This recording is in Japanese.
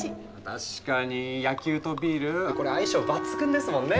確かに野球とビールこれ相性抜群ですもんね。